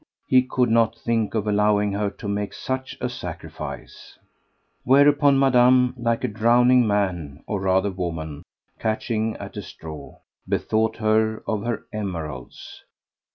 he could not think of allowing her to make such a sacrifice. Whereupon Madame, like a drowning man, or rather woman, catching at a straw, bethought her of her emeralds.